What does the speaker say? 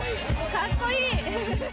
かっこいい。